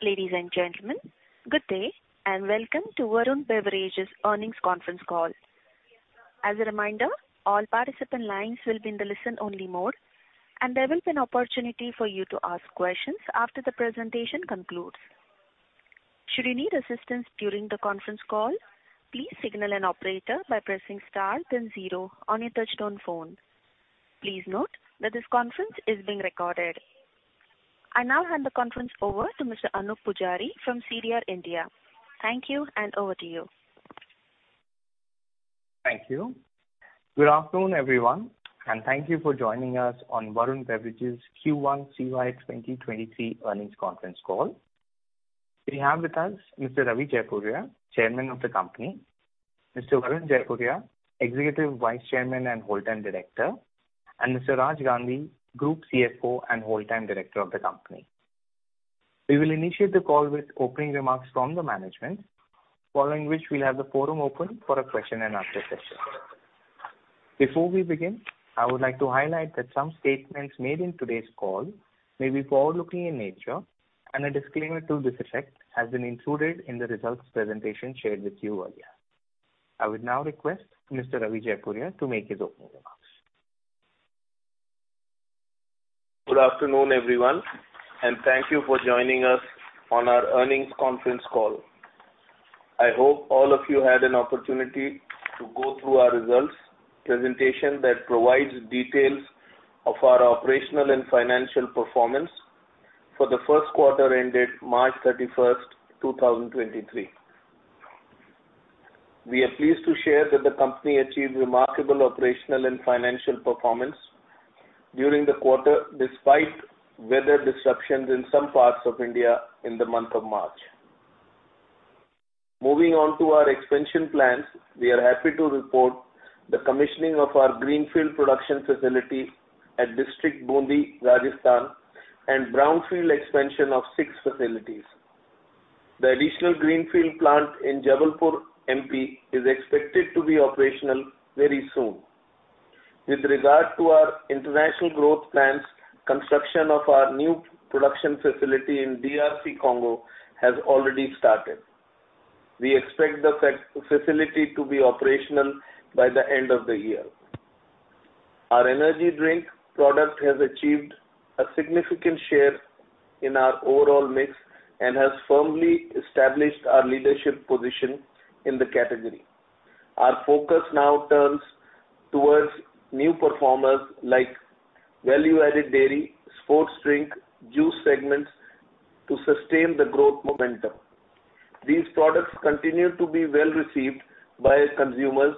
Ladies and gentlemen, good day, and welcome to Varun Beverages Earnings Conference Call. As a reminder, all participant lines will be in the listen-only mode, and there will be an opportunity for you to ask questions after the presentation concludes. Should you need assistance during the conference call, please signal an operator by pressing star then zero on your touchtone phone. Please note that this conference is being recorded. I now hand the conference over to Mr. Anoop Poojari from CDR India. Thank you, and over to you. Thank you. Good afternoon, everyone, and thank you for joining us on Varun Beverages Q1 CY 2023 earnings conference call. We have with us Mr. Ravi Jaipuria, Chairman of the company, Mr. Varun Jaipuria, Executive Vice Chairman and Whole-Time Director, and Mr. Raj Gandhi, Group CFO and Whole-Time Director of the company. We will initiate the call with opening remarks from the management, following which we'll have the forum open for a question and answer session. Before we begin, I would like to highlight that some statements made in today's call may be forward-looking in nature and a disclaimer to this effect has been included in the results presentation shared with you earlier. I would now request Mr. Ravi Jaipuria to make his opening remarks. Good afternoon, everyone, and thank you for joining us on our earnings conference call. I hope all of you had an opportunity to go through our results presentation that provides details of our operational and financial performance for the first quarter ended March 31st, 2023. We are pleased to share that the company achieved remarkable operational and financial performance during the quarter, despite weather disruptions in some parts of India in the month of March. Moving on to our expansion plans, we are happy to report the commissioning of our greenfield production facility at District Bundi, Rajasthan and brownfield expansion of six facilities. The additional greenfield plant in Jabalpur, MP is expected to be operational very soon. With regard to our international growth plans, construction of our new production facility in DRC, Congo has already started. We expect the facility to be operational by the end of the year. Our energy drink product has achieved a significant share in our overall mix and has firmly established our leadership position in the category. Our focus now turns towards new performers like value-added dairy, sports drink, juice segments to sustain the growth momentum. These products continue to be well received by consumers,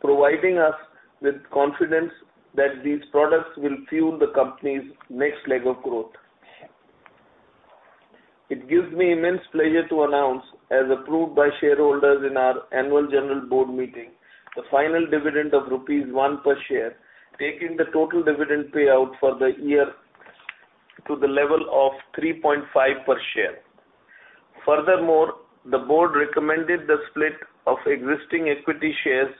providing us with confidence that these products will fuel the company's next leg of growth. It gives me immense pleasure to announce, as approved by shareholders in our annual general board meeting, the final dividend of rupees 1 per share, taking the total dividend payout for the year to the level of 3.5 per share. Furthermore, the board recommended the split of existing equity shares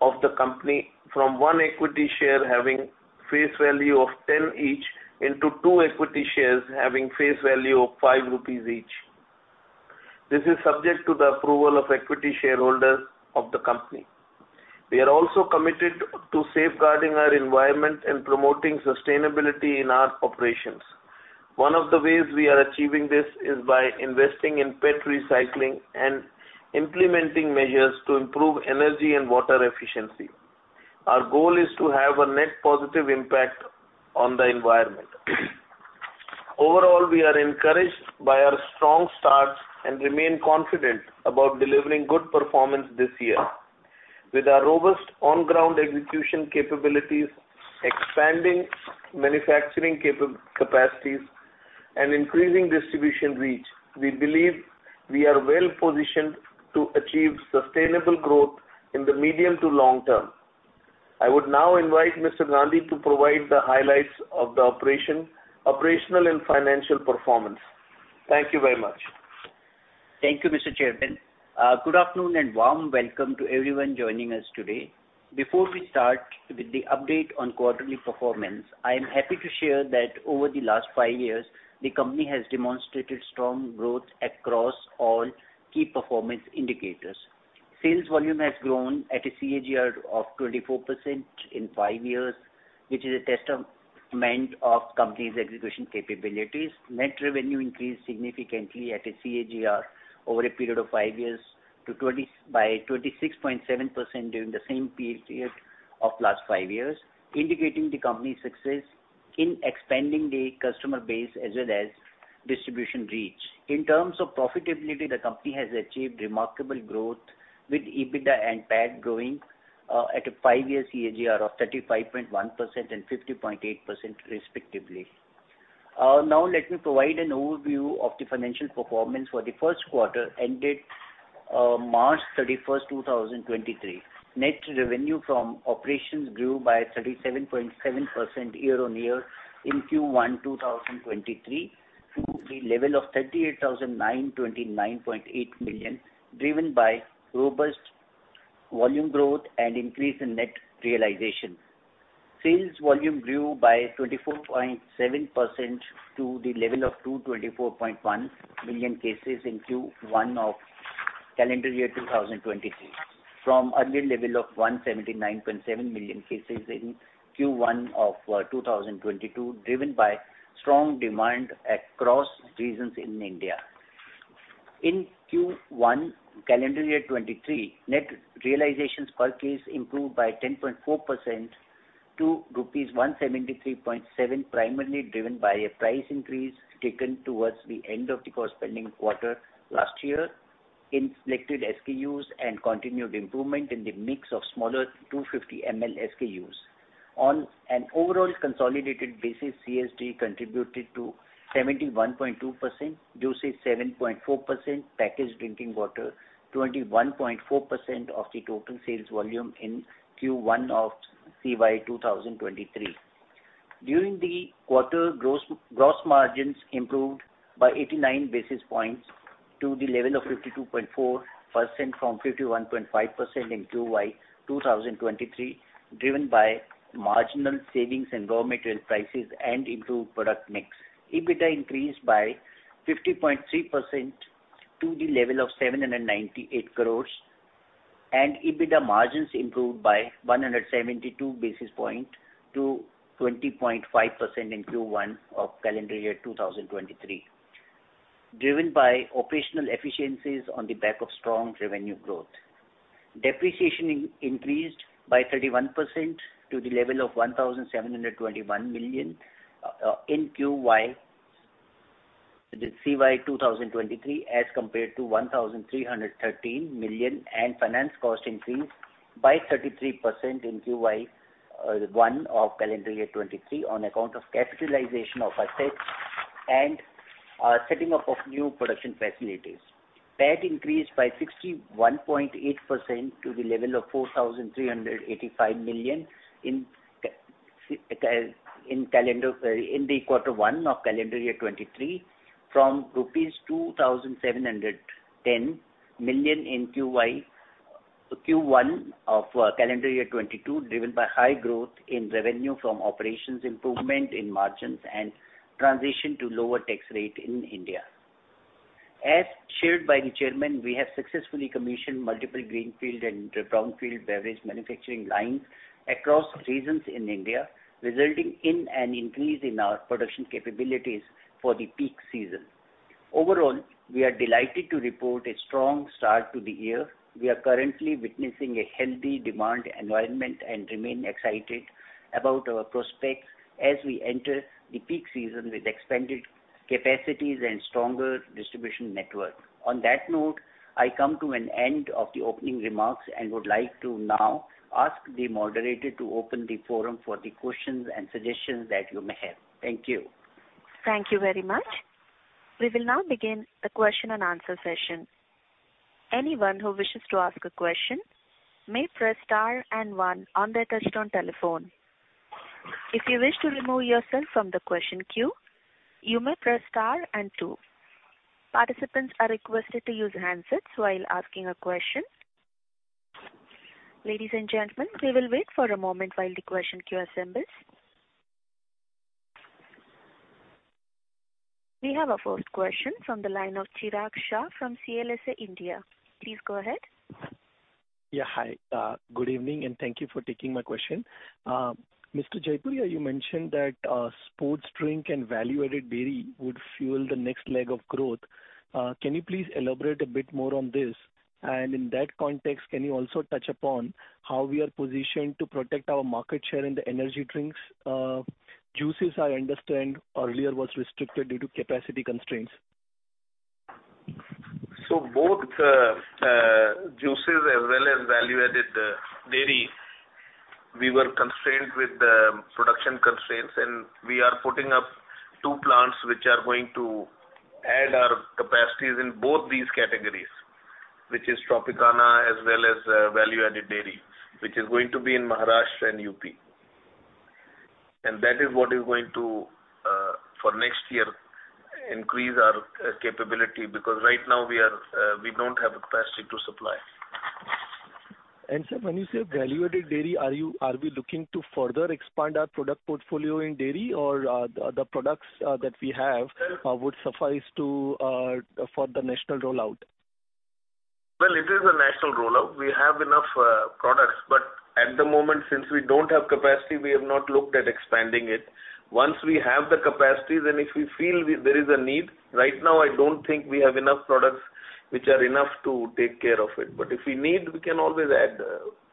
of the company from 1 equity share having face value of 10 each into 2 equity shares having face value of 5 rupees each. This is subject to the approval of equity shareholders of the company. We are also committed to safeguarding our environment and promoting sustainability in our operations. One of the ways we are achieving this is by investing in PET recycling and implementing measures to improve energy and water efficiency. Our goal is to have a net positive impact on the environment. Overall, we are encouraged by our strong start and remain confident about delivering good performance this year. With our robust on-ground execution capabilities, expanding manufacturing capacities, and increasing distribution reach, we believe we are well-positioned to achieve sustainable growth in the medium to long term. I would now invite Mr. Gandhi to provide the highlights of the operation, operational and financial performance. Thank you very much. Thank you, Mr. Chairman. Good afternoon and warm welcome to everyone joining us today. Before we start with the update on quarterly performance, I am happy to share that over the last five years, the company has demonstrated strong growth across all key performance indicators. Sales volume has grown at a CAGR of 24% in five years, which is a testament of company's execution capabilities. Net revenue increased significantly at a CAGR over a period of five years by 26.7% during the same period of last five years, indicating the company's success in expanding the customer base as well as distribution reach. In terms of profitability, the company has achieved remarkable growth with EBITDA and PAT growing at a five-year CAGR of 35.1% and 50.8% respectively. Now let me provide an overview of the financial performance for the first quarter ended March 31, 2023. Net revenue from operations grew by 37.7% year-on-year in Q1 2023 to the level of 38,929.8 million, driven by robust volume growth and increase in net realization. Sales volume grew by 24.7% to the level of 224.1 million cases in Q1 of calendar year 2023, from earlier level of 179.7 million cases in Q1 of 2022, driven by strong demand across regions in India. In Q1 calendar year 2023, net realization per case improved by 10.4% to rupees 173.7, primarily driven by a price increase taken towards the end of the corresponding quarter last year in selected SKUs, and continued improvement in the mix of smaller 250 ML SKUs. On an overall consolidated basis, CSD contributed to 71.2%, juices 7.4%, packaged drinking water 21.4% of the total sales volume in Q1 of CY 2023. During the quarter, gross margins improved by 89 basis points to the level of 52.4% from 51.5% in CY 2023, driven by marginal savings in raw material prices and improved product mix. EBITDA increased by 50.3% to the level of 798 crores, EBITDA margins improved by 172 basis points to 20.5% in Q1 of calendar year 2023, driven by operational efficiencies on the back of strong revenue growth. Depreciation increased by 31% to the level of 1,721 million in CY 2023, as compared to 1,313 million. Finance cost increased by 33% in Q1 of calendar year 2023 on account of capitalization of assets and setting up of new production facilities. PAT increased by 61.8% to the level of 4,385 million in Q1 of calendar year 2023 from rupees 2,710 million in Q1 of calendar year 2022, driven by high growth in revenue from operations, improvement in margins and transition to lower tax rate in India. As shared by the Chairman, we have successfully commissioned multiple greenfield and brownfield beverage manufacturing lines across regions in India, resulting in an increase in our production capabilities for the peak season. We are delighted to report a strong start to the year. We are currently witnessing a healthy demand environment and remain excited about our prospects as we enter the peak season with expanded capacities and stronger distribution network. On that note, I come to an end of the opening remarks and would like to now ask the moderator to open the forum for the questions and suggestions that you may have. Thank you. Thank you very much. We will now begin the question and answer session. Anyone who wishes to ask a question may press star and one on their touchtone telephone. If you wish to remove yourself from the question queue, you may press star and two. Participants are requested to use handsets while asking a question. Ladies and gentlemen, we will wait for a moment while the question queue assembles. We have our first question from the line of Chirag Shah from CLSA India. Please go ahead. Yeah. Hi, good evening, and thank you for taking my question. Mr. Jaipuria, you mentioned that sports drink and value-added dairy would fuel the next leg of growth. Can you please elaborate a bit more on this? In that context, can you also touch upon how we are positioned to protect our market share in the energy drinks? Juices I understand earlier was restricted due to capacity constraints. Both juices as well as value-added dairy, we were constrained with the production constraints. We are putting up 2 plants which are going to add our capacities in both these categories, which is Tropicana as well as value-added dairy, which is going to be in Maharashtra and UP. That is what is going to for next year increase our capability because right now we are, we don't have the capacity to supply. Sir, when you say value-added dairy, are we looking to further expand our product portfolio in dairy or the products that we have would suffice to for the national rollout? It is a national rollout. We have enough products, but at the moment, since we don't have capacity, we have not looked at expanding it. Once we have the capacity, then if we feel there is a need. Right now, I don't think we have enough products which are enough to take care of it. If we need, we can always add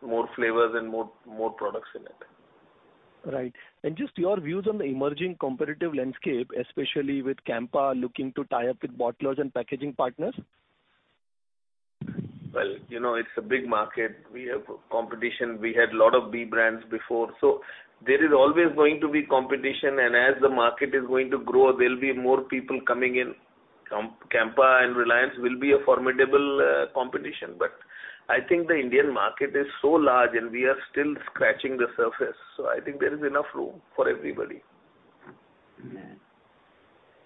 more flavors and more products in it. Right. Just your views on the emerging competitive landscape, especially with Campa looking to tie up with bottlers and packaging partners. Well, you know, it's a big market. We have competition. We had lot of B brands before. There is always going to be competition, and as the market is going to grow, there'll be more people coming in. Campa and Reliance will be a formidable competition, but I think the Indian market is so large, and we are still scratching the surface. I think there is enough room for everybody.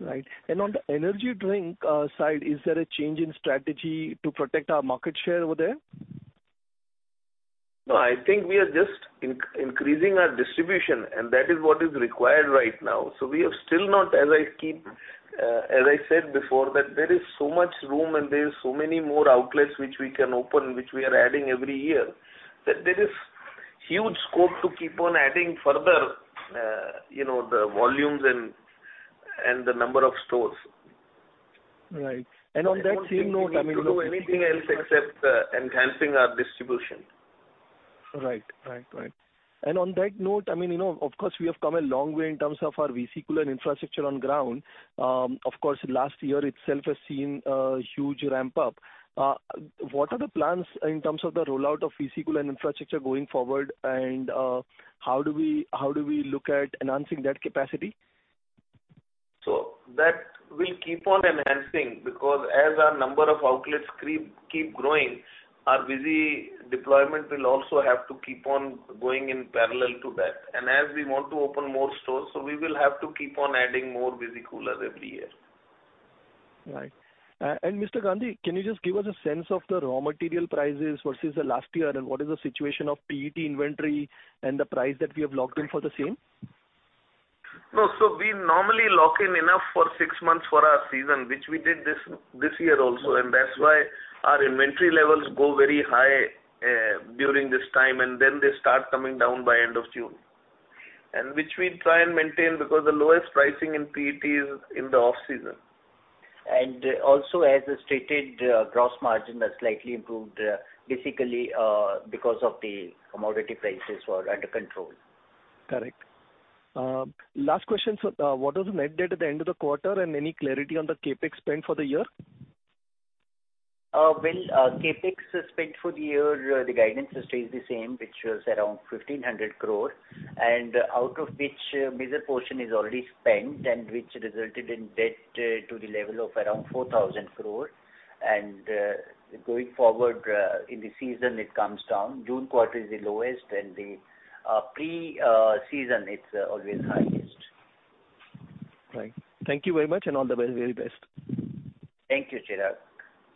Right. On the energy drink side, is there a change in strategy to protect our market share over there? No, I think we are just increasing our distribution, and that is what is required right now. We have still not, as I keep, as I said before, that there is so much room and there is so many more outlets which we can open, which we are adding every year, that there is huge scope to keep on adding further, you know, the volumes and the number of stores. Right. On that same note, I mean. We don't need to do anything else except enhancing our distribution. Right. Right. Right. On that note, I mean, you know, of course, we have come a long way in terms of our Visi Cooler and infrastructure on ground. Of course, last year itself has seen a huge ramp up. What are the plans in terms of the rollout of Visi Cooler and infrastructure going forward and how do we look at enhancing that capacity? That will keep on enhancing because as our number of outlets keep growing, our Visi deployment will also have to keep on going in parallel to that. As we want to open more stores, so we will have to keep on adding more Visi coolers every year. Right. Mr. Gandhi, can you just give us a sense of the raw material prices versus the last year and what is the situation of PET inventory and the price that we have locked in for the same? No. We normally lock in enough for six months for our season, which we did this year also. That's why our inventory levels go very high during this time, and then they start coming down by end of June. Which we try and maintain because the lowest pricing in PET is in the off season. Also as stated, gross margin has slightly improved, basically, because of the commodity prices were under control. Correct. Last question, what was the net debt at the end of the quarter and any clarity on the CapEx spend for the year? CapEx spent for the year, the guidance stays the same, which was around 1,500 crore. Out of which a major portion is already spent and which resulted in debt to the level of around 4,000 crore. Going forward, in the season it comes down. June quarter is the lowest and the pre-season it's always highest. Right. Thank you very much and all the very best. Thank you, Chirag.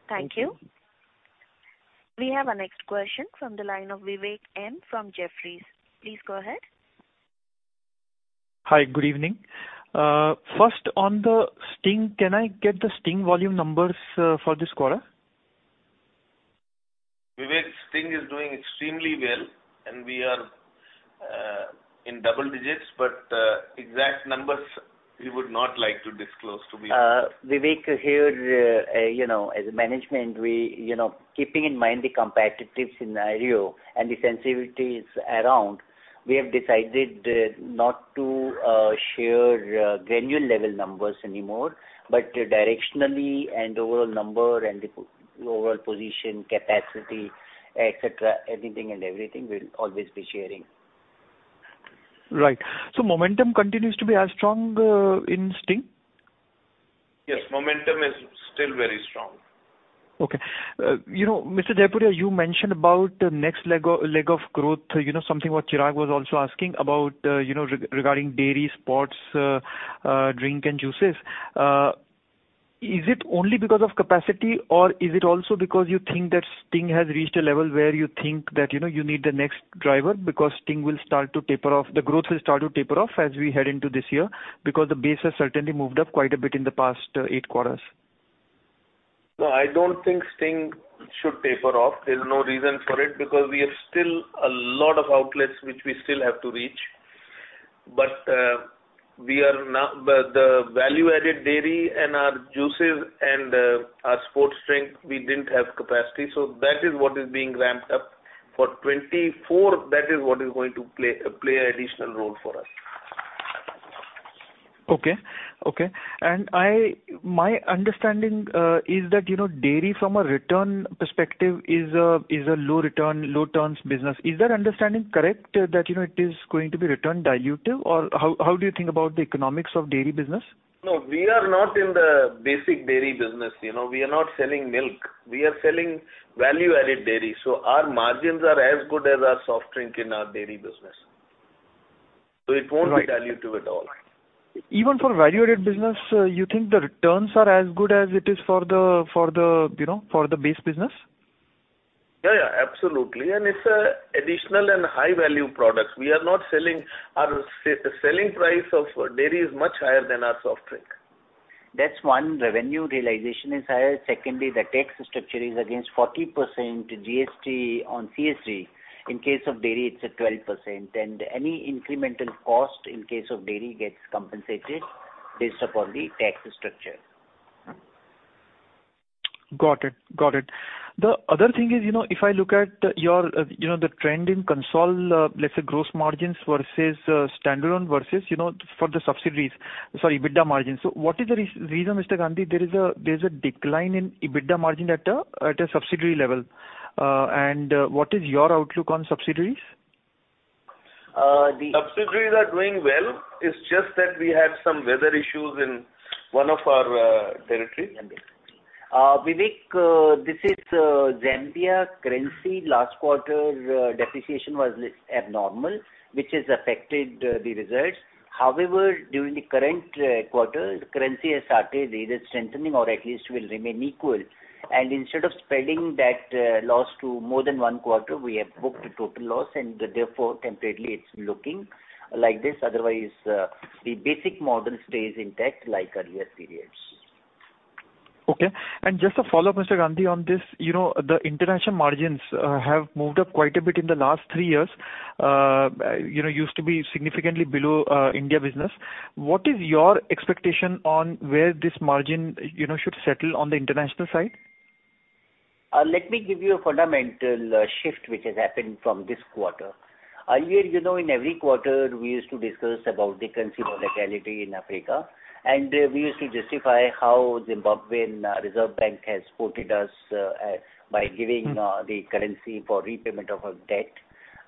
Thank you. Thank you. We have our next question from the line of Vivek Maheshwari from Jefferies. Please go ahead. Hi. Good evening. First on the Sting, can I get the Sting volume numbers for this quarter? Vivek, Sting is doing extremely well and we are in double digits, but exact numbers we would not like to disclose. Vivek here, you know, as management, we, you know, keeping in mind the competitive scenario and the sensitivities around, we have decided not to share granular level numbers anymore. Directionally and overall number and the overall position, capacity, et cetera, anything and everything we'll always be sharing. momentum continues to be as strong, in Sting? Yes, momentum is still very strong. Okay. you know, Mr. Jaipuria you mentioned about next leg of growth, you know, something what Chirag was also asking about, you know, regarding dairy, sports, drink and juices. Is it only because of capacity or is it also because you think that Sting has reached a level where you think that, you know, you need the next driver because Sting will start to taper off, the growth will start to taper off as we head into this year, because the base has certainly moved up quite a bit in the past, 8 quarters? No, I don't think Sting should taper off. There's no reason for it because we have still a lot of outlets which we still have to reach. We are now. The value-added dairy and our juices and our sports drink, we didn't have capacity. That is what is being ramped up. For 2024, that is what is going to play an additional role for us. Okay. Okay. My understanding, is that, you know, dairy from a return perspective is a low return, low returns business. Is that understanding correct, that, you know, it is going to be return dilutive or how do you think about the economics of dairy business? We are not in the basic dairy business. You know, we are not selling milk. We are selling value-added dairy. Our margins are as good as our soft drink in our dairy business. Right. It won't be dilutive at all. Even for value-added business, you think the returns are as good as it is for the, you know, for the base business? Yeah, yeah, absolutely. It's additional and high value products. We are not selling. Our selling price of dairy is much higher than our soft drink. That's one, revenue realization is higher. Secondly, the tax structure is against 40% GST on CSD. In case of dairy, it's at 12%. Any incremental cost in case of dairy gets compensated based upon the tax structure. Got it. Got it. The other thing is, you know, if I look at your, you know, the trend in console, let's say gross margins versus, standalone versus, you know, for the subsidiaries. Sorry, EBITDA margins. What is the reason, Mr. Gandhi, there is a decline in EBITDA margin at a subsidiary level. What is your outlook on subsidiaries? The subsidiaries are doing well. It's just that we had some weather issues in one of our territory. Vivek, this is Zambia currency last quarter, depreciation was abnormal, which has affected the results. However, during the current quarter, the currency has started either strengthening or at least will remain equal. Instead of spreading that loss to more than one quarter, we have booked a total loss and therefore temporarily it's looking like this. Otherwise, the basic model stays intact like earlier periods. Okay. Just to follow up, Mr. Gandhi, on this, you know, the international margins have moved up quite a bit in the last 3 years. You know, used to be significantly below India business. What is your expectation on where this margin, you know, should settle on the international side? Let me give you a fundamental shift which has happened from this quarter. Earlier, you know, in every quarter we used to discuss about the currency volatility in Africa, and we used to justify how Reserve Bank of Zimbabwe has supported us by giving the currency for repayment of our debt.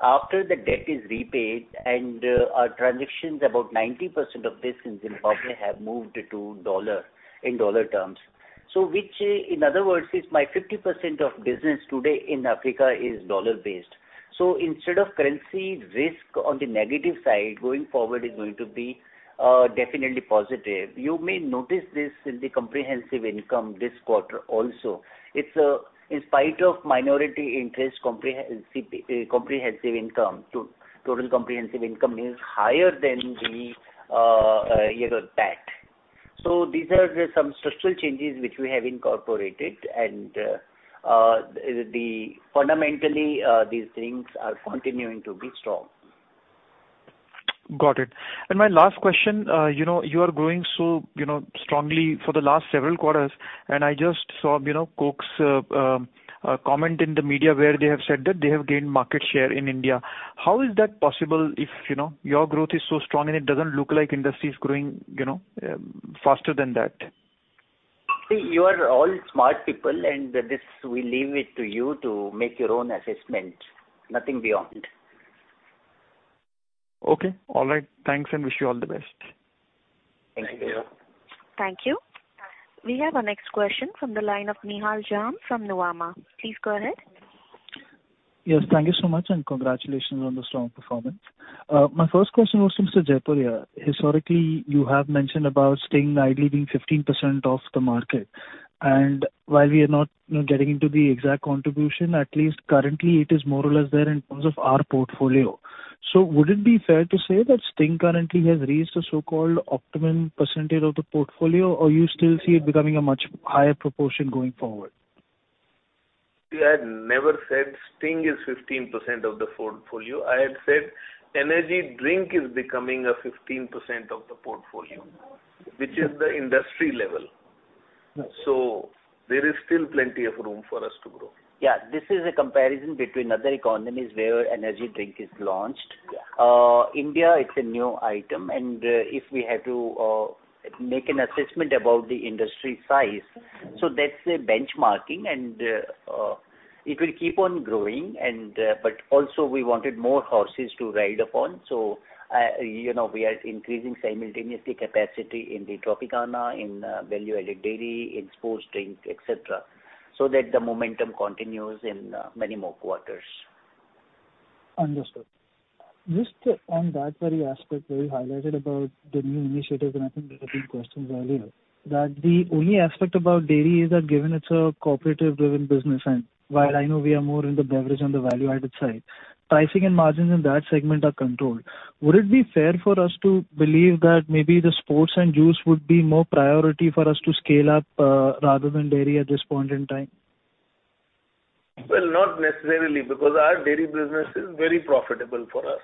After the debt is repaid and our transactions, about 90% of this in Zimbabwe have moved to USD, in USD terms. Which in other words, is my 50% of business today in Africa is USD-based. Instead of currency risk on the negative side, going forward is going to be definitely positive. You may notice this in the comprehensive income this quarter also. It's in spite of minority interest comprehensive income to total comprehensive income is higher than the, you know, PAT. These are some structural changes which we have incorporated. The fundamentally, these things are continuing to be strong. Got it. My last question, you know, you are growing so you know, strongly for the last several quarters, I just saw, you know, Coke's comment in the media where they have said that they have gained market share in India. How is that possible if, you know, your growth is so strong and it doesn't look like industry is growing, you know, faster than that? You are all smart people. This, we leave it to you to make your own assessment. Nothing beyond. Okay. All right. Thanks, and wish you all the best. Thank you. Thank you. We have our next question from the line of Nihal Jham from Nuvama. Please go ahead. Yes, thank you so much, and congratulations on the strong performance. My first question was to Mr. Jaipuria. Historically, you have mentioned about Sting ideally being 15% of the market. While we are not, you know, getting into the exact contribution, at least currently it is more or less there in terms of our portfolio. Would it be fair to say that Sting currently has reached a so-called optimum percentage of the portfolio? You still see it becoming a much higher proportion going forward? We had never said Sting is 15% of the portfolio. I had said energy drink is becoming a 15% of the portfolio, which is the industry level. Right. There is still plenty of room for us to grow. Yeah, this is a comparison between other economies where energy drink is launched. Yeah. India, it's a new item. If we had to make an assessment about the industry size, that's a benchmarking, it will keep on growing. We wanted more horses to ride upon. You know, we are increasing simultaneously capacity in the Tropicana, in value-added dairy, in sports drink, et cetera, so that the momentum continues in many more quarters. Understood. Just on that very aspect where you highlighted about the new initiatives, I think there have been questions earlier, that the only aspect about dairy is that given it's a cooperative-driven business, while I know we are more in the beverage and the value-added side, pricing and margins in that segment are controlled. Would it be fair for us to believe that maybe the sports and juice would be more priority for us to scale up, rather than dairy at this point in time? Not necessarily, because our dairy business is very profitable for us.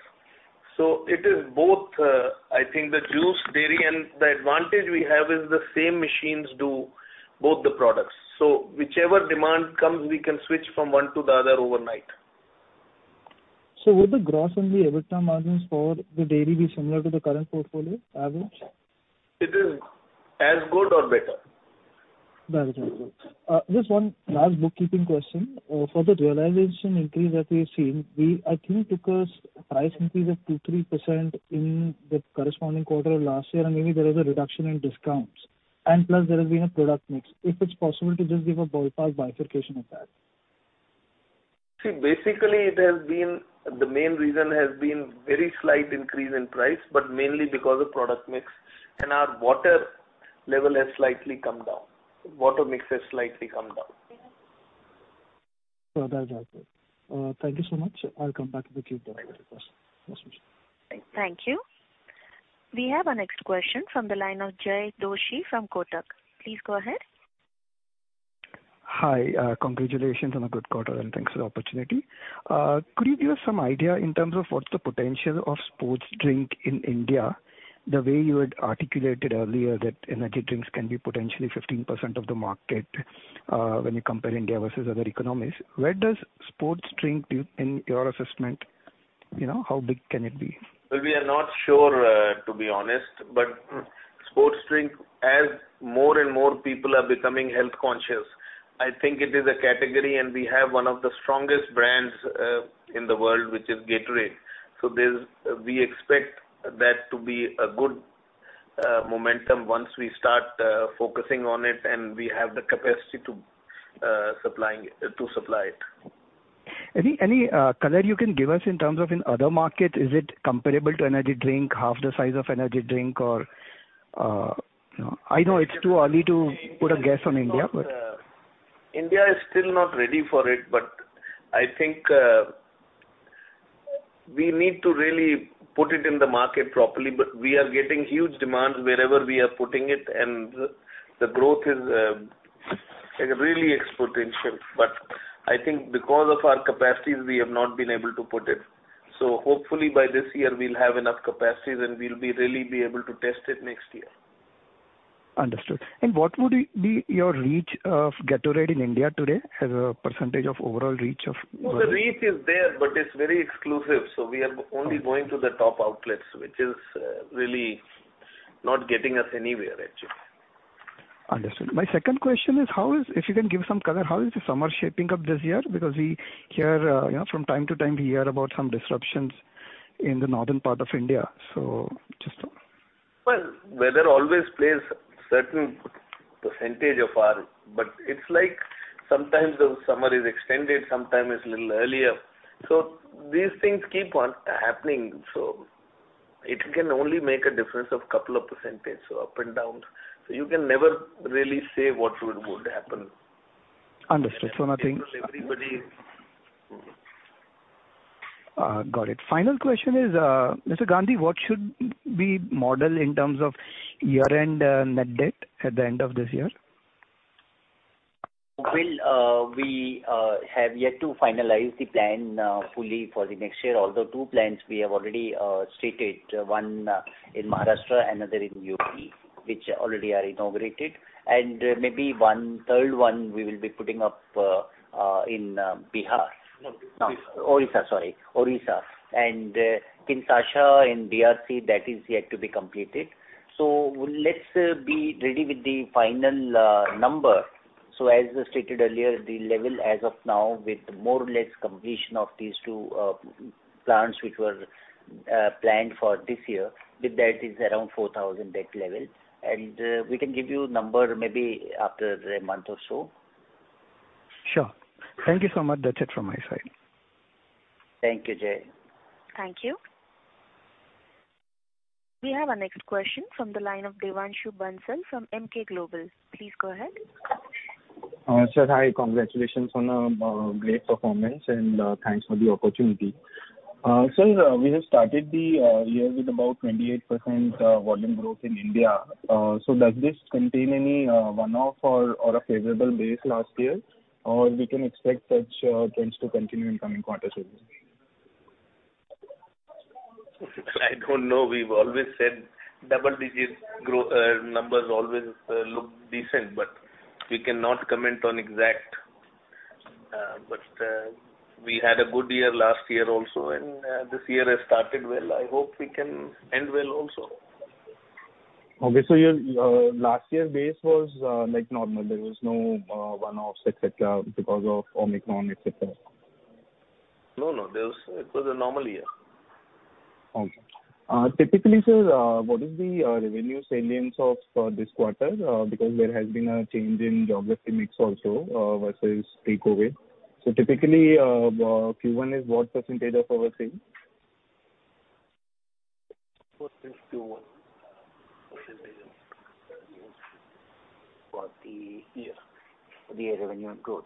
It is both, I think the juice, dairy, and the advantage we have is the same machines do both the products. Whichever demand comes, we can switch from one to the other overnight. Would the gross and the EBITDA margins for the dairy be similar to the current portfolio average? It is as good or better. Better. Just one last bookkeeping question. For the realization increase that we have seen, we I think took a price increase of 2-3% in the corresponding quarter of last year. Maybe there is a reduction in discounts and plus there has been a product mix. If it's possible to just give a ballpark bifurcation of that? Basically it has been, the main reason has been very slight increase in price, but mainly because of product mix and our water level has slightly come down. Water mix has slightly come down. That's helpful. Thank you so much. I'll come back with you if I have any questions. Thank you. We have our next question from the line of Jaykumar Doshi from Kotak. Please go ahead. Hi, congratulations on a good quarter, and thanks for the opportunity. Could you give us some idea in terms of what's the potential of sports drink in India, the way you had articulated earlier that energy drinks can be potentially 15% of the market, when you compare India versus other economies. Where does sports drink in your assessment, you know, how big can it be? We are not sure to be honest, sports drink as more and more people are becoming health conscious, I think it is a category. We have one of the strongest brands in the world, which is Gatorade. We expect that to be a good momentum once we start focusing on it and we have the capacity to supply it. Any color you can give us in terms of in other markets, is it comparable to energy drink, half the size of energy drink or? I know it's too early to put a guess on India, but. India is still not ready for it, I think, we need to really put it in the market properly. We are getting huge demand wherever we are putting it, and the growth is like really exponential. I think because of our capacities, we have not been able to put it. Hopefully by this year we'll have enough capacity, then we'll be really be able to test it next year. Understood. What would be your reach of Gatorade in India today as a percentage of overall reach of-? The reach is there, but it's very exclusive. We are only going to the top outlets, which is really not getting us anywhere actually. Understood. My second question is, if you can give some color, how is the summer shaping up this year? We hear, you know, from time to time we hear about some disruptions in the northern part of India. Well, weather always plays certain percentage of our... It's like sometimes the summer is extended, sometimes it's a little earlier. These things keep on happening. It can only make a difference of 2%, so up and down. You can never really say what would happen. Understood. nothing- Everybody... Got it. Final question is, Mr. Gandhi, what should we model in terms of year-end net debt at the end of this year? We have yet to finalize the plan fully for the next year, although two plants we have already stated, one in Maharashtra, another in UP, which already are inaugurated. Maybe one, third one we will be putting up in Bihar. No, Odisha. Odisha, sorry. Odisha. In Kinshasa, in DRC, that is yet to be completed. Let's be ready with the final number. As stated earlier, the level as of now with more or less completion of these two plants which were planned for this year, with that is around 4,000 debt level. We can give you number maybe after a month or so. Sure. Thank you so much. That's it from my side. Thank you, Jay. Thank you. We have our next question from the line of Devanshu Bansal from Emkay Global. Please go ahead. Sir, hi. Congratulations on a great performance, and thanks for the opportunity. Sir, we have started the year with about 28% volume growth in India. Does this contain any one-off or a favorable base last year? Can we expect such trends to continue in coming quarters also? I don't know. We've always said double digits grow, numbers always look decent, but we cannot comment on exact, but we had a good year last year also, and this year has started well. I hope we can end well also. Your last year base was like normal. There was no one-offs, et cetera, because of Omicron, et cetera. No, no. It was a normal year. Okay. typically, sir, what is the revenue salience of this quarter? because there has been a change in geography mix also, versus take away. typically, Q1 is what % of our sales? What is Q1? What is the revenue for the year? For the year revenue growth.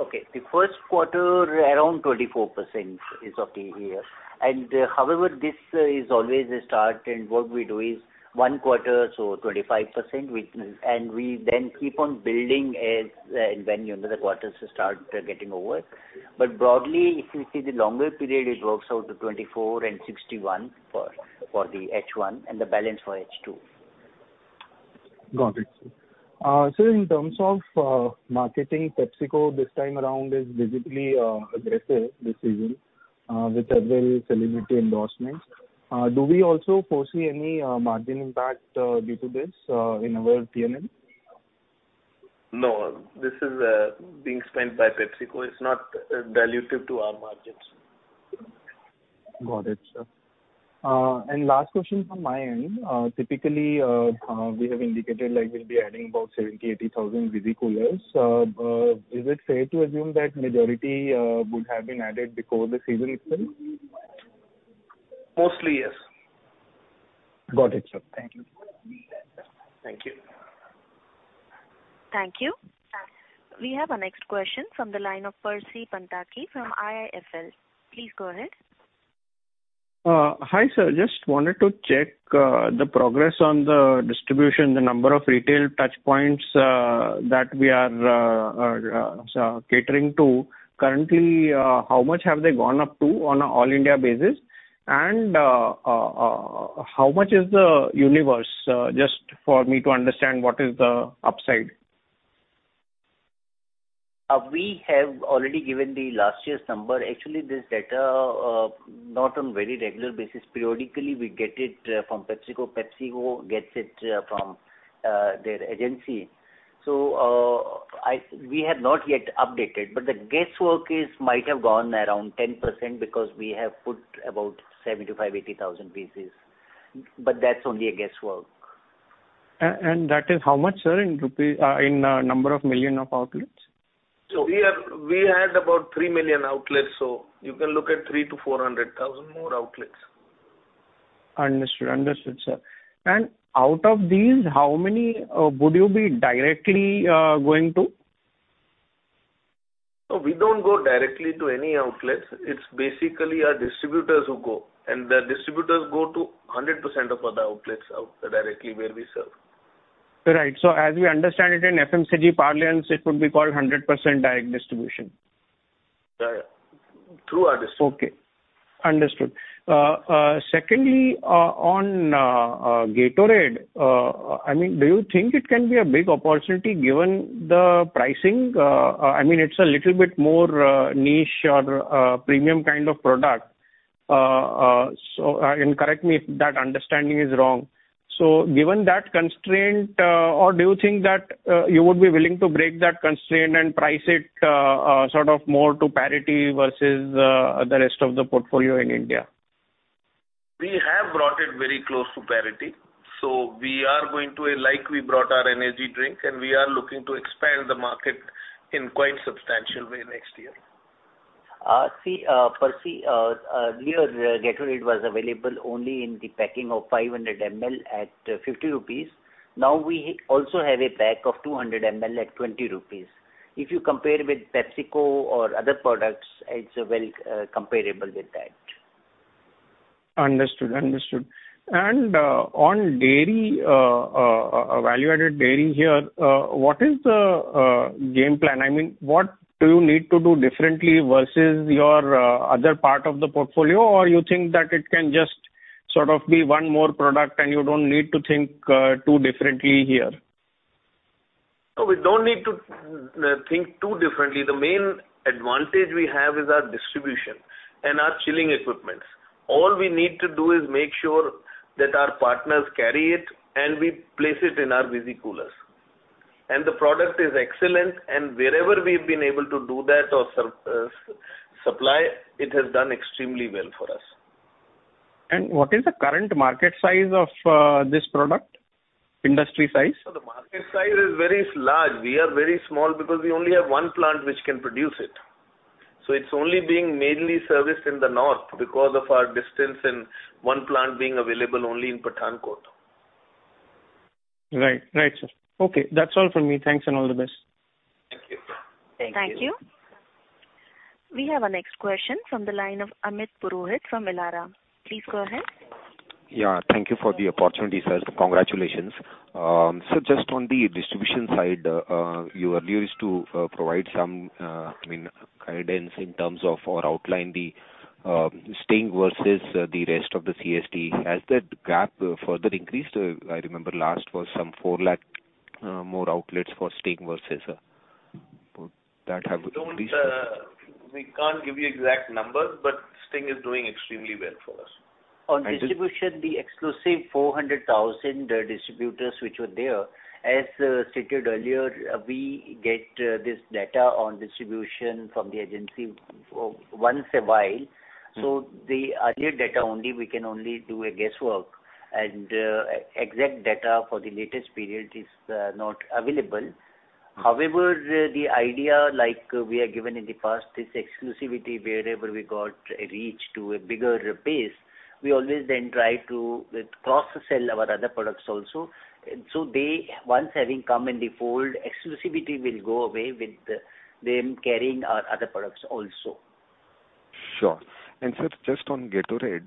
Okay. The first quarter, around 24% is okay here. However, this is always a start, and what we do is one quarter, so 25%, and we then keep on building as and when the other quarters start getting over. Broadly, if you see the longer period, it works out to 24% and 61% for H1 and the balance for H2. Got it. In terms of marketing PepsiCo this time around is visibly aggressive this season, with several celebrity endorsements. Do we also foresee any margin impact due to this in our PNL? No, this is being spent by PepsiCo. It's not dilutive to our margins. Got it, sir. Last question from my end. Typically, we have indicated like we'll be adding about 70,000-80,000 Visi Coolers. Is it fair to assume that majority would have been added before the season itself? Mostly, yes. Got it, sir. Thank you. Thank you. Thank you. We have our next question from the line of Percy Panthaki from IIFL. Please go ahead. Hi, sir. Just wanted to check the progress on the distribution, the number of retail touchpoints that we are catering to. Currently, how much have they gone up to on a all India basis? How much is the universe? Just for me to understand what is the upside. We have already given the last year's number. Actually, this data, not on very regular basis. Periodically, we get it from PepsiCo. PepsiCo gets it from their agency. We have not yet updated, but the guesswork is might have gone around 10% because we have put about 75,000-80,000 pieces. But that's only a guesswork. That is how much, sir, in rupee, in number of million outlets? We had about 3 million outlets, so you can look at 300,000-400,000 more outlets. Understood. Understood, sir. Out of these, how many would you be directly going to? No, we don't go directly to any outlets. It's basically our distributors who go. The distributors go to 100% of other outlets out directly where we serve. Right. As we understand it in FMCG parlance, it would be called 100% direct distribution. Yeah. Through our distributors. Okay. Understood. Secondly, on Gatorade, I mean, do you think it can be a big opportunity given the pricing? It's a little bit more niche or premium kind of product. Correct me if that understanding is wrong. Given that constraint, or do you think that you would be willing to break that constraint and price it sort of more to parity versus the rest of the portfolio in India? We have brought it very close to parity, we brought our energy drink, and we are looking to expand the market in quite substantial way next year. See, Percy, earlier Gatorade was available only in the packing of 500 ml at 50 rupees. Now we also have a pack of 200 ml at 20 rupees. If you compare with PepsiCo or other products, it's well comparable with that. Understood. Understood. On dairy, value-added dairy here, what is the game plan? I mean, what do you need to do differently versus your other part of the portfolio? Or you think that it can just sort of be one more product and you don't need to think too differently here? No, we don't need to think too differently. The main advantage we have is our distribution and our chilling equipments. All we need to do is make sure that our partners carry it and we place it in our Visi Coolers. The product is excellent, and wherever we've been able to do that or supply, it has done extremely well for us. What is the current market size of this product? Industry size. The market size is very large. We are very small because we only have one plant which can produce it. It's only being mainly serviced in the north because of our distance and one plant being available only in Pathankot. Right. Right, sir. Okay. That's all from me. Thanks, and all the best. Thank you. Thank you. Thank you. We have our next question from the line of Amit Purohit from Elara. Please go ahead. Yeah, thank you for the opportunity, sir. Congratulations. Just on the distribution side, you earlier used to provide some, I mean, guidance in terms of or outline the Sting versus the rest of the CSD. Has that gap further increased? I remember last was some four lakh more outlets for Sting versus, would that have increased? Don't... We can't give you exact numbers, but Sting is doing extremely well for us. On distribution, the exclusive 400,000 distributors which were there, as stated earlier, we get this data on distribution from the agency once a while. The earlier data only we can only do a guesswork, and exact data for the latest period is not available. However, the idea like we are given in the past, this exclusivity, wherever we got a reach to a bigger base, we always then try to cross-sell our other products also. They, once having come in the fold, exclusivity will go away with them carrying our other products also. Sure. sir, just on Gatorade,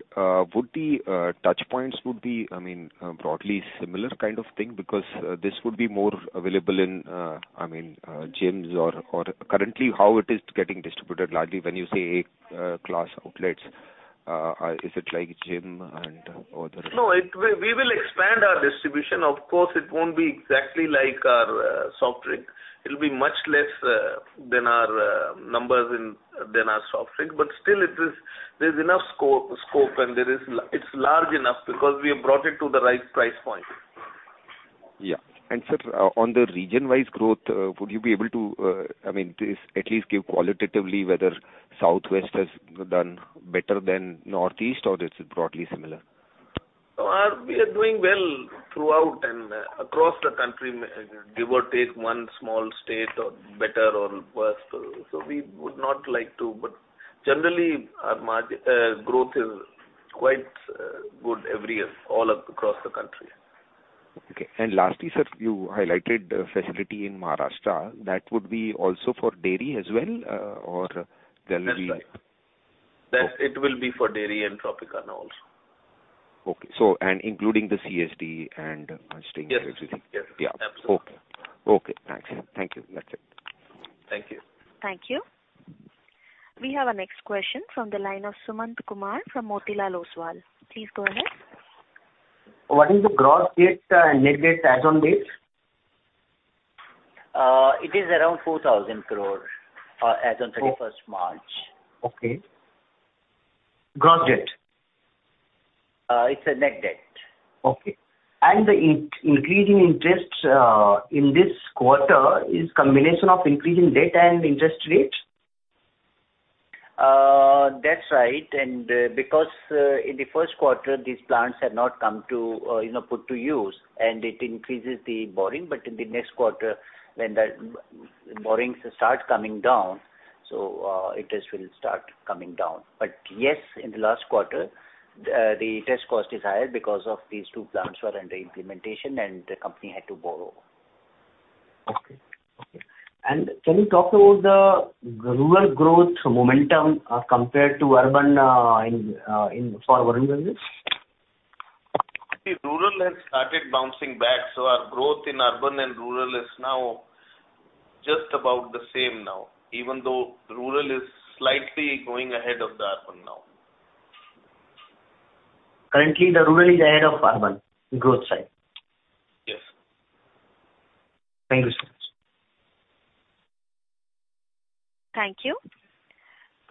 would the touch points would be, I mean, broadly similar kind of thing because this would be more available in, I mean, gyms or currently how it is getting distributed largely when you say class outlets, is it like gym and all the rest? No, We will expand our distribution. Of course, it won't be exactly like our soft drink. It'll be much less than our numbers in, than our soft drink. Still it is, there's enough scope, and there is it's large enough because we have brought it to the right price point. Yeah. Sir, on the region-wise growth, would you be able to, I mean, please at least give qualitatively whether Southwest has done better than Northeast, or is it broadly similar? No, we are doing well throughout and across the country, give or take one small state or better or worse. We would not like to. Generally, our growth is quite good every year, all across the country. Okay. Lastly, sir, you highlighted the facility in Maharashtra. That would be also for dairy as well? That's right. Okay. That it will be for dairy and Tropicana also. Okay. Including the CSD and Sting everything. Yes, yes. Yeah. Absolutely. Okay. Okay, thanks. Thank you. That's it. Thank you. Thank you. We have our next question from the line of Sumant Kumar from Motilal Oswal. Please go ahead. What is the gross debt and net debt as on date? It is around 4,000 crore as on 31st March. Okay. Gross debt? It's a net debt. Okay. The increasing interest in this quarter is combination of increasing debt and interest rates? That's right. Because in the first quarter, these plants had not come to, you know, put to use, and it increases the borrowing. In the next quarter, when the borrowings start coming down, interest will start coming down. Yes, in the last quarter, the interest cost is higher because of these two plants were under implementation and the company had to borrow. Okay. Okay. Can you talk about the rural growth momentum, compared to urban, in for Varun Beverages? The rural has started bouncing back, so our growth in urban and rural is now just about the same now, even though rural is slightly going ahead of the urban now. Currently the rural is ahead of urban growth side? Yes. Thank you so much. Thank you.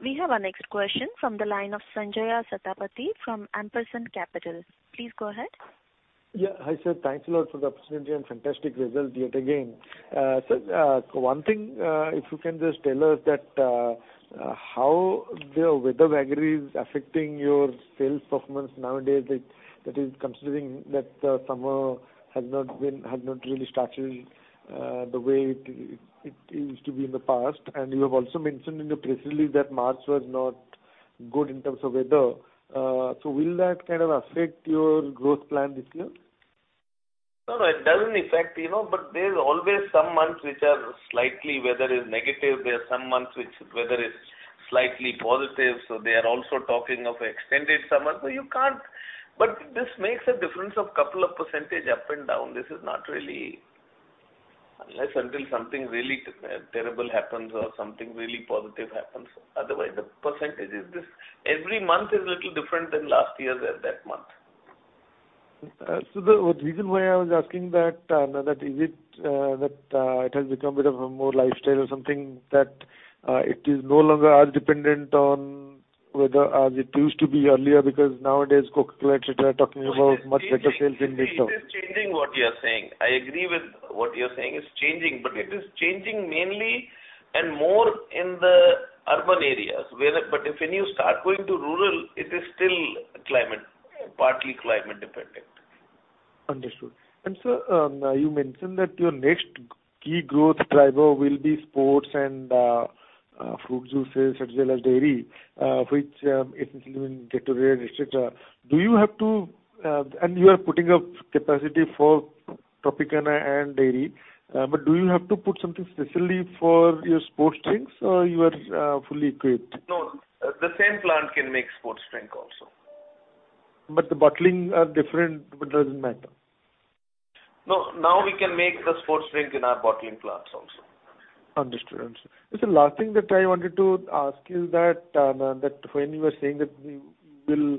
We have our next question from the line of Sanjaya Satapathy from Ampersand Capital. Please go ahead. Yeah. Hi, sir. Thanks a lot for the opportunity and fantastic results yet again. One thing, if you can just tell us how the weather variation is affecting your sales performance nowadays. That is considering that the summer has not really started the way it used to be in the past. You have also mentioned in the press release that March was not good in terms of weather. Will that kind of affect your growth plan this year? No, no, it doesn't affect, you know, there's always some months which are slightly weather is negative. There are some months which weather is slightly positive. They are also talking of extended summer. You can't. This makes a difference of couple of percentage up and down. This is not really. Unless until something really terrible happens or something really positive happens. Otherwise, the percentage is this. Every month is little different than last year that month. The reason why I was asking that is it, that it has become a bit of a more lifestyle or something that it is no longer as dependent on weather as it used to be earlier, because nowadays Coca-Cola, etc., are talking about much better sales in this term. It is changing what you are saying. I agree with what you're saying. It's changing, it is changing mainly and more in the urban areas. If, when you start going to rural, it is still climate, partly climate dependent. Understood. Sir, you mentioned that your next key growth driver will be sports and fruit juices as well as dairy, which essentially will get to register. Do you have to, and you are putting up capacity for Tropicana and dairy, but do you have to put something specifically for your sports drinks, or you are fully equipped? No. The same plant can make sports drink also. The bottling are different, but doesn't matter. No. Now we can make the sports drink in our bottling plants also. Understood. Sir, last thing that I wanted to ask is that when you were saying that we will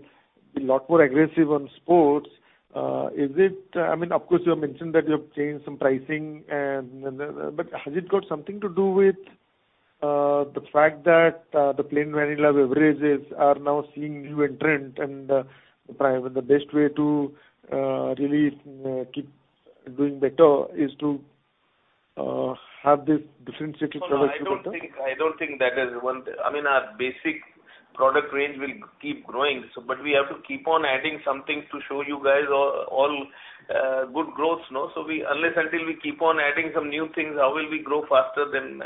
be a lot more aggressive on sports, is it, I mean, of course you have mentioned that you have changed some pricing and, but has it got something to do with the fact that the plain vanilla beverages are now seeing new entrant and probably the best way to really keep doing better is to have this differentiated product? No, no, I don't think that is one. I mean, our basic product range will keep growing, so, but we have to keep on adding something to show you guys all good growth. No? We, unless until we keep on adding some new things, how will we grow faster than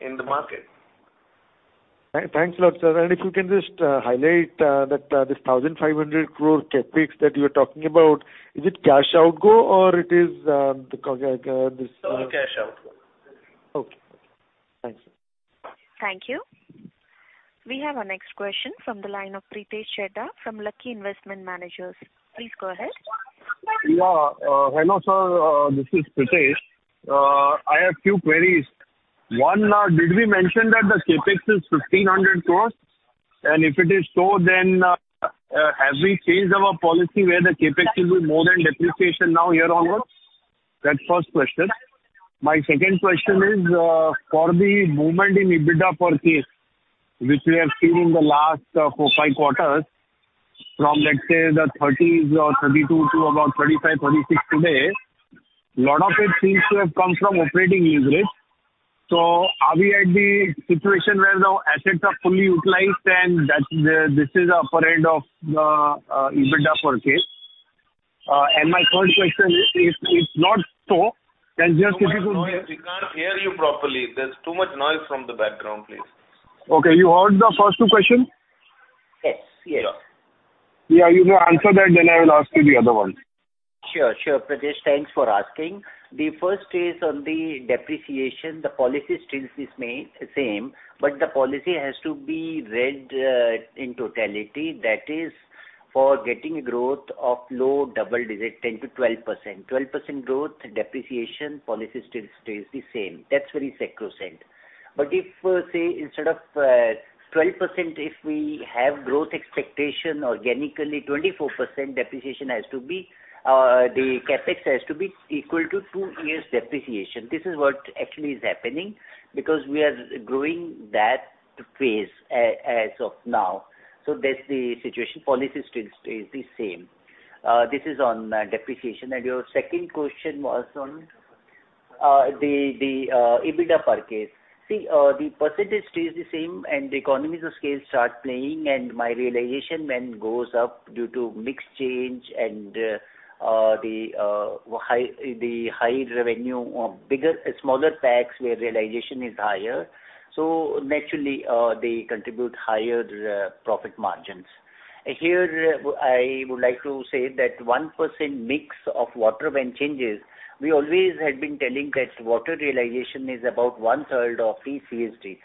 in the market? Thanks a lot, sir. If you can just highlight that this 1,500 crore CapEx that you're talking about, is it cash outgo or it is the this? Total cash outgo. Okay. Thanks. Thank you. We have our next question from the line of Pritesh Chheda from Lucky Investment Managers. Please go ahead. Yeah. Hello sir. This is Pritesh. I have two queries. One, did we mention that the CapEx is 1,500 crores? If it is so, then have we changed our policy where the CapEx will be more than depreciation now here onwards? That's first question. My second question is, for the movement in EBITDA per case, which we have seen in the last four, five quarters from, let's say, the 30s or 32 to about 35, 36 today. Lot of it seems to have come from operating leverage. Are we at the situation where the assets are fully utilized and this is upper end of EBITDA per case? My third question, if not so, then just if you could- Too much noise. We can't hear you properly. There's too much noise from the background, please. Okay. You heard the first two question? Yes. Yes. Yeah. You answer that, then I will ask you the other one. Sure. Sure. Pritesh, thanks for asking. The first is on the depreciation. The policy still is same, but the policy has to be read in totality. That is for getting growth of low double digit, 10-12%. 12% growth depreciation policy still stays the same. That's very sacrosanct. If, say, instead of 12% if we have growth expectation organically, 24% depreciation has to be, the CapEx has to be equal to 2 years depreciation. This is what actually is happening because we are growing that phase as of now. That's the situation. Policy still stays the same. This is on depreciation. Your second question was on? The EBITDA per case. See, the percentage stays the same. The economies of scale start playing and my realization goes up due to mix change and the high revenue or bigger... smaller packs where realization is higher. Naturally, they contribute higher profit margins. Here, I would like to say that 1% mix of water when changes, we always had been telling that water realization is about one-third of the CSD.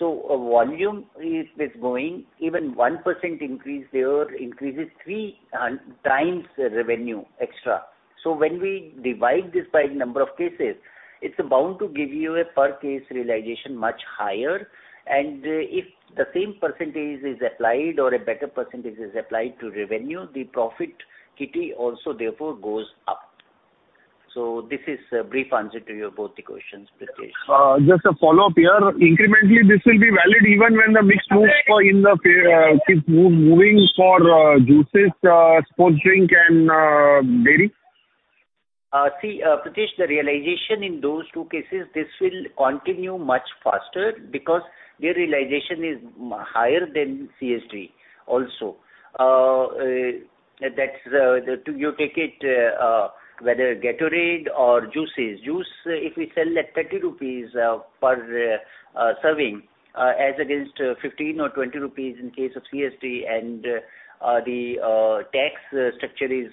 Volume is growing even 1% increase there increases 3x revenue extra. When we divide this by number of cases, it's bound to give you a per case realization much higher. If the same percentage is applied or a better percentage is applied to revenue, the profit kitty also therefore goes up. This is a brief answer to your both the questions, Pritesh. Just a follow-up here. Incrementally this will be valid even when the mix moves for in the keeps moving for juices, sports drink and dairy? See, Pritesh, the realization in those two cases, this will continue much faster because their realization is higher than CSD also. You take it, whether Gatorade or juices. Juice if we sell at 30 rupees, per serving, as against 15 or 20 rupees in case of CSD and the tax structure is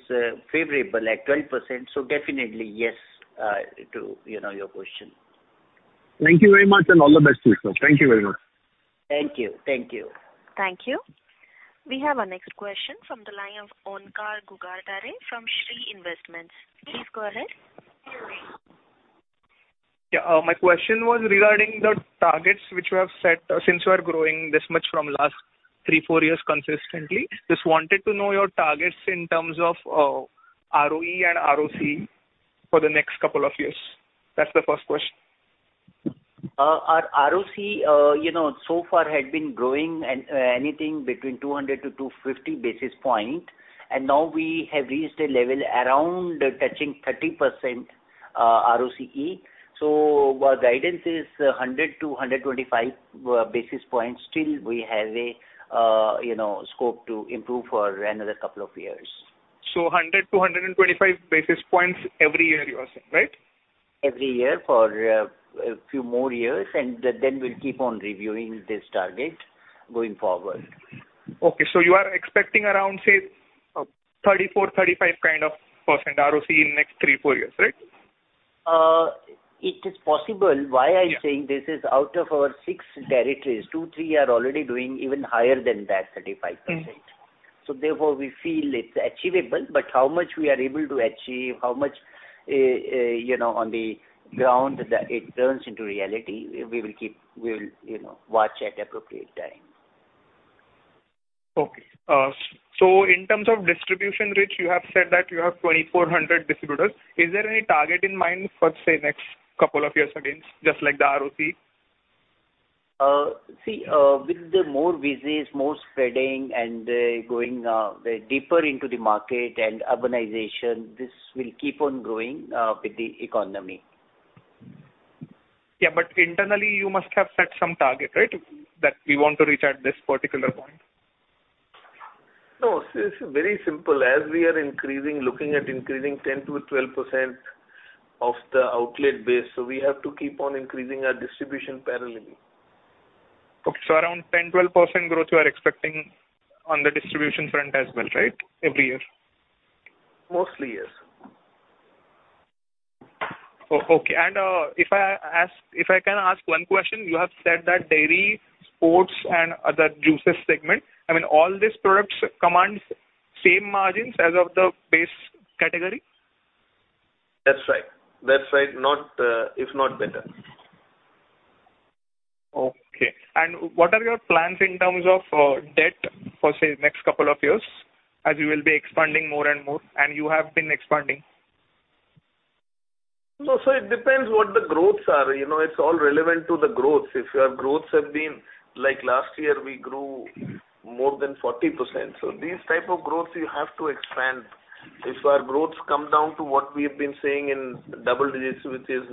favorable at 12%, so definitely yes, to, you know, your question. Thank you very much and all the best, Mr. Thank you very much. Thank you. Thank you. Thank you. We have our next question from the line of Onkar Ghugardare from Shree Investments. Please go ahead. My question was regarding the targets which you have set since you are growing this much from last three, four years consistently. Just wanted to know your targets in terms of ROE and ROC for the next couple of years. That's the first question. Our ROC, you know, so far had been growing anything between 200 to 250 basis point. Now we have reached a level around touching 30%, ROCE. Our guidance is 100 to 125 basis points. Still we have a, you know, scope to improve for another couple of years. 100-125 basis points every year you are saying, right? Every year for a few more years, and then we'll keep on reviewing this target going forward. Okay. you are expecting around, say, 34-35 kind of percent ROC in next three, four years, right? It is possible. Yeah. Why I'm saying this is out of our six territories, two, three are already doing even higher than that 35%. Therefore we feel it's achievable, but how much we are able to achieve, how much, you know, on the ground that it turns into reality, we will, you know, watch at appropriate time. Okay. In terms of distribution reach, you have said that you have 2,400 distributors. Is there any target in mind for, say, next two years again, just like the ROC? See, with the more visits, more spreading and going deeper into the market and urbanization, this will keep on growing with the economy. Yeah. internally you must have set some target, right? That we want to reach at this particular point. No. It's very simple. As we are increasing, looking at increasing 10-12% of the outlet base. We have to keep on increasing our distribution parallelly. Okay. around 10-12% growth you are expecting on the distribution front as well, right? Every year. Mostly, yes. Okay. If I can ask one question, you have said that dairy, sports and other juices segment, I mean all these products command same margins as of the base category? That's right. That's right. Not, if not better. Okay. What are your plans in terms of debt for, say, next couple of years as you will be expanding more and more, and you have been expanding? No. It depends what the growths are. You know, it's all relevant to the growth. If your growths have been like last year, we grew more than 40%. These type of growth you have to expand. If our growths come down to what we've been saying in double digits, which is,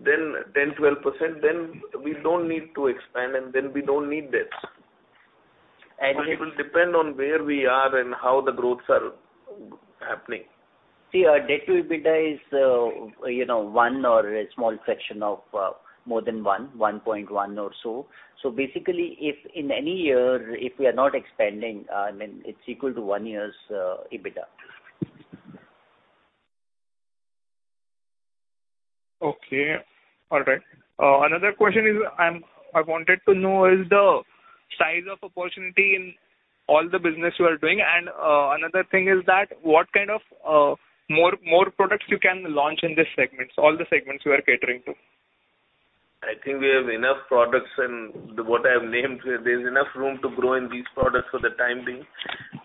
then 10%, 12%, then we don't need to expand and then we don't need debt. And- It will depend on where we are and how the growths are happening. See, our debt to EBITDA is, you know, one or a small fraction of more than one, 1.1 or so. Basically if in any year, if we are not expanding, I mean it's equal to one year's EBITDA. Okay. All right. Another question is I wanted to know is the size of opportunity in all the business you are doing? Another thing is that what kind of more products you can launch in this segments, all the segments you are catering to? I think we have enough products and what I have named, there's enough room to grow in these products for the time being.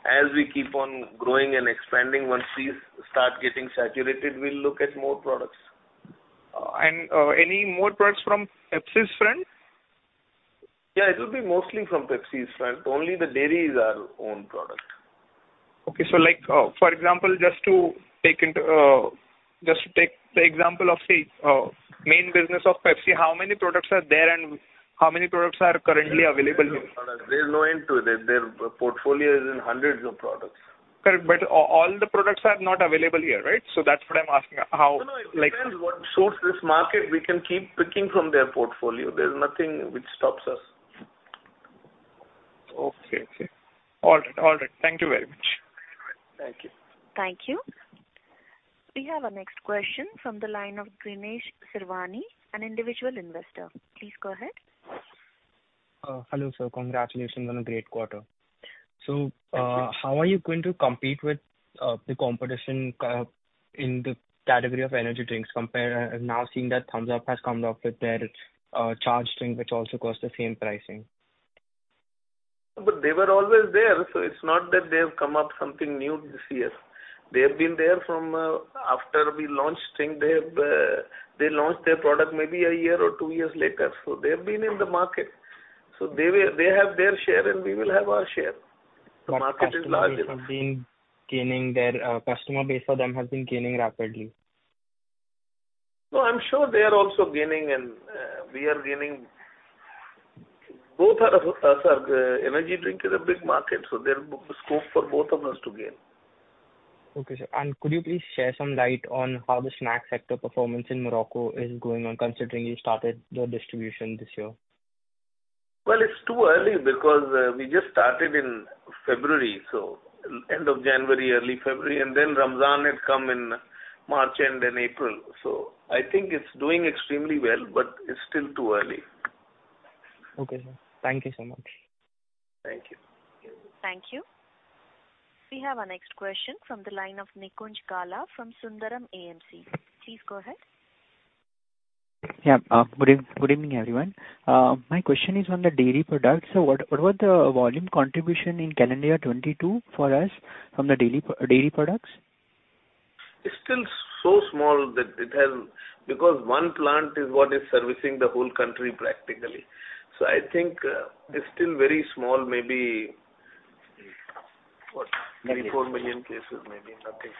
As we keep on growing and expanding, once these start getting saturated, we'll look at more products. Any more products from Pepsi's front? Yeah, it will be mostly from Pepsi's front. Only the dairy is our own product. Okay. like, for example, just to take into, just to take the example of say, main business of Pepsi, how many products are there and how many products are currently available here? There's no end to it. Their portfolio is in hundreds of products. Correct. All the products are not available here, right? That's what I'm asking how? No, no, it depends what suits this market. We can keep picking from their portfolio. There's nothing which stops us. Okay. Okay. All right. All right. Thank you very much. Thank you. Thank you. We have our next question from the line of Ganesh Sirvani, an individual investor. Please go ahead. Hello, sir. Congratulations on a great quarter. Thank you. How are you going to compete with the competition in the category of energy drinks compared now seeing that Thums Up has come up with their charge drink, which also costs the same pricing? They were always there, so it's not that they have come up something new this year. They have been there from, after we launched drink, they've, they launched their product maybe a year or two years later. They've been in the market. They will... They have their share, and we will have our share. The market is large enough. Customer base for them has been gaining rapidly. No, I'm sure they are also gaining and we are gaining. Both are as are energy drink is a big market, so there scope for both of us to gain. Okay, sir. Could you please share some light on how the snack sector performance in Morocco is going on, considering you started your distribution this year? It's too early because we just started in February, so end of January, early February, and then Ramadan had come in March, end in April. I think it's doing extremely well, but it's still too early. Okay, sir. Thank you so much. Thank you. Thank you. We have our next question from the line of Nikunj Gala from Sundaram AMC. Please go ahead. Yeah. Good evening, everyone. My question is on the dairy products. What was the volume contribution in calendar 2022 for us from the dairy products? It's still so small that it has. One plant is what is servicing the whole country, practically. I think it's still very small. Maybe- ... 3, 4 million cases, maybe. Nothing.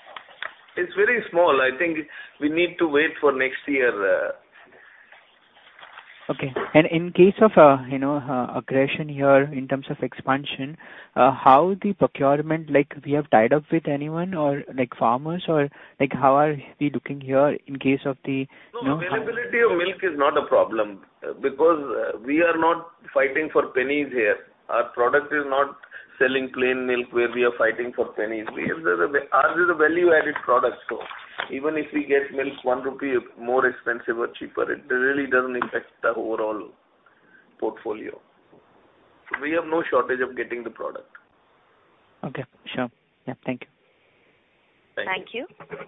It's very small. I think we need to wait for next year. Okay. In case of, you know, aggression here in terms of expansion, how the procurement, like we have tied up with anyone or like farmers or like, how are we looking here in case of the, you know? No, no, availability of milk is not a problem, because we are not fighting for pennies here. Our product is not selling plain milk where we are fighting for pennies. Ours is a value-added product, so even if we get milk 1 rupee more expensive or cheaper, it really doesn't impact the overall portfolio. We have no shortage of getting the product. Okay, sure. Yeah. Thank you. Thank you. Thank you.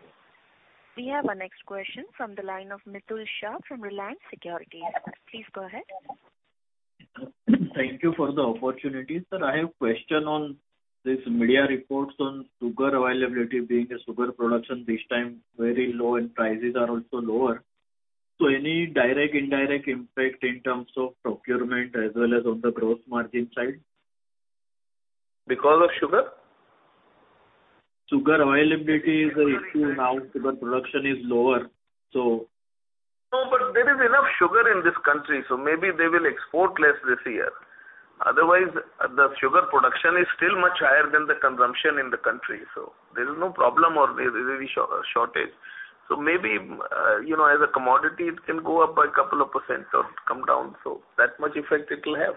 We have our next question from the line of Mitul Shah from Reliance Securities. Please go ahead. Thank you for the opportunity. Sir, I have question on this media reports on sugar availability being a sugar production this time very low and prices are also lower. Any direct, indirect impact in terms of procurement as well as on the growth margin side? Because of sugar? Sugar availability is a issue now. Sugar production is lower, so. There is enough sugar in this country, so maybe they will export less this year. Otherwise, the sugar production is still much higher than the consumption in the country, so there is no problem or there is shortage. Maybe, you know, as a commodity, it can go up by couple of percent or come down. That much effect it'll have.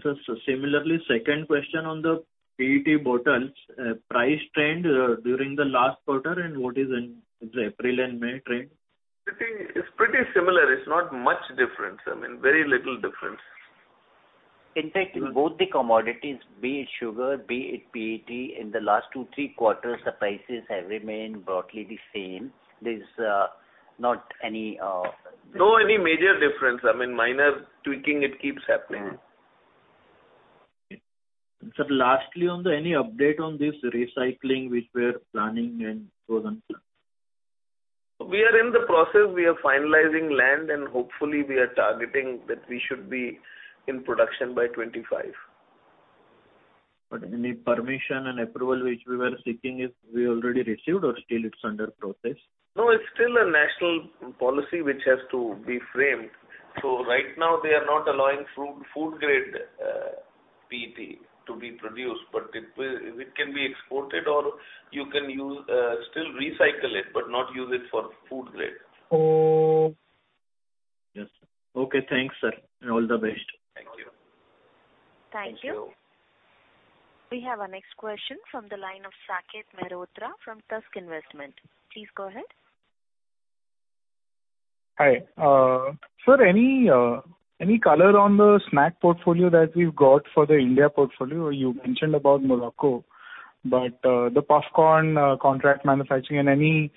Sir, similarly, second question on the PET bottles, price trend, during the last quarter and what is in the April and May trend? It is, it's pretty similar. It's not much difference. I mean, very little difference. In fact, in both the commodities, be it sugar, be it PET, in the last two, three quarters, the prices have remained broadly the same. There's not any. No, any major difference. I mean, minor tweaking, it keeps happening. Mm-hmm. Sir, lastly, on the any update on this recycling which we are planning and so on, sir? We are in the process. We are finalizing land, and hopefully we are targeting that we should be in production by 2025. Any permission and approval which we were seeking, if we already received or still it's under process? No, it's still a national policy which has to be framed. Right now they are not allowing food grade PET to be produced, but it will, it can be exported or you can use, still recycle it, but not use it for food grade. Oh. Yes. Okay, thanks, sir, and all the best. Thank you. Thank you. We have our next question from the line of Saket Mehrotra from Tusk Investments. Please go ahead. Hi. Sir, any color on the snack portfolio that we've got for the India portfolio? You mentioned about Morocco, the popcorn, contract manufacturing and any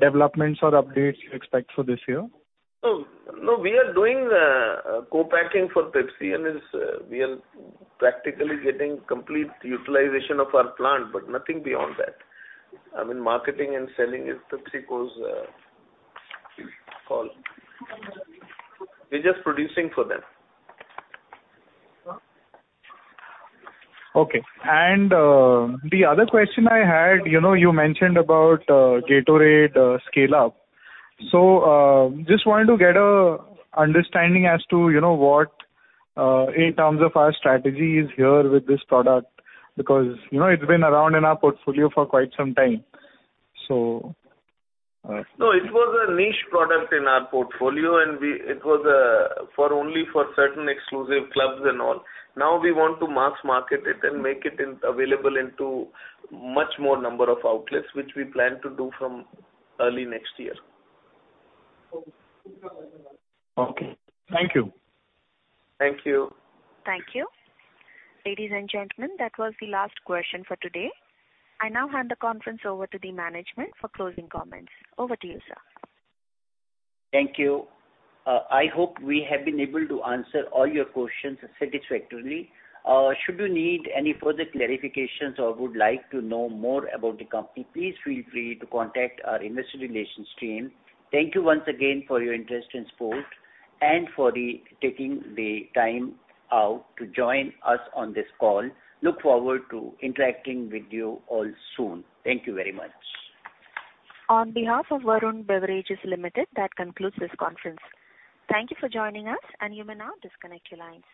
developments or updates you expect for this year? No, no. We are doing co-packing for Pepsi, and is, we are practically getting complete utilization of our plant, but nothing beyond that. I mean, marketing and selling is PepsiCo's call. We're just producing for them. Okay. The other question I had, you know, you mentioned about Gatorade scale-up. Just wanted to get a understanding as to, you know, what in terms of our strategy is here with this product, because, you know, it's been around in our portfolio for quite some time? No, it was a niche product in our portfolio, and it was for only for certain exclusive clubs and all. Now we want to mass market it and make it available into much more number of outlets, which we plan to do from early next year. Okay. Thank you. Thank you. Thank you. Ladies and gentlemen, that was the last question for today. I now hand the conference over to the management for closing comments. Over to you, sir. Thank you. I hope we have been able to answer all your questions satisfactorily. Should you need any further clarifications or would like to know more about the company, please feel free to contact our investor relations team. Thank you once again for your interest in Varun Beverages and for the taking the time out to join us on this call. Look forward to interacting with you all soon. Thank you very much. On behalf of Varun Beverages Limited, that concludes this conference. Thank you for joining us, and you may now disconnect your lines.